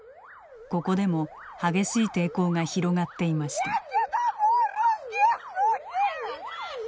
ここでも激しい抵抗が広がっていました。